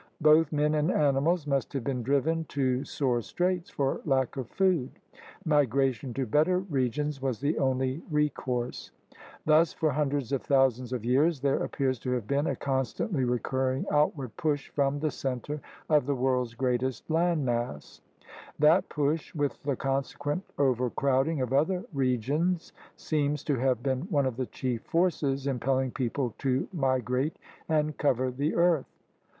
Both men and animals must have been driven to sore straits for lack of food. Migration to better regions was the only recourse. Thus for hundreds of thousands of years there appears to have been a constantly recurring ' W. D. Matthew, Climate and Evolution, N. Y. Acad. Sci., 1915. 14 THE RED MAN'S CONTINENT outward push from the center of the world's greatest land mass. That push, with the conse quent overcrowding of other regions, seems to have been one of the chief forces impelling people to migrate and cover the earth.